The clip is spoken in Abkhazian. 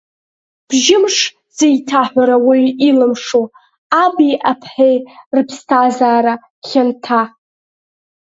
Бжьымз зеиҭаҳәара уаҩы илымшо, аби аԥҳаи рыԥсҭазаара хьанҭа.